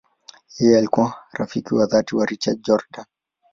Yeye alikuwa rafiki wa dhati wa Richard Jordan.